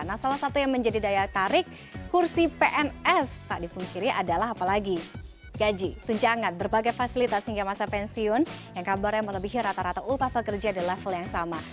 nah salah satu yang menjadi daya tarik kursi pns tak dipungkiri adalah apalagi gaji tuncangan berbagai fasilitas hingga masa pensiun yang kabarnya melebihi rata rata upah pekerja di level yang sama